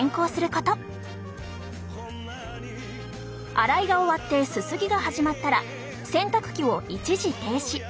洗いが終わってすすぎが始まったら洗濯機を一時停止。